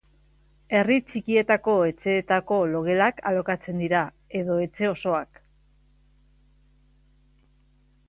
Herri txikietako etxeetako logelak alokatzen dira, edo etxe osoak.